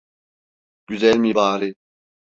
Güzel mi bari?